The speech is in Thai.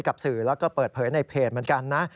กับสื่อแล้วก็เปิดเผยในเพจเหมือนกันนะ